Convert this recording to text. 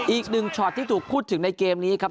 อีกหนึ่งช็อตที่ถูกพูดถึงในเกมนี้ครับ